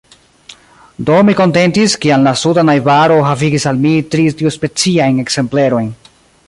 Do, mi kontentis, kiam la suda najbaro havigis al mi tri tiuspeciajn ekzemplerojn.